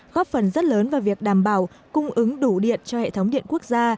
góp phần rất lớn vào việc đảm bảo cung ứng đủ điện cho hệ thống điện quốc gia